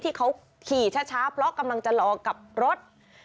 ที่เขาขี่ช้าเพราะกำลังจะรอกลับรถ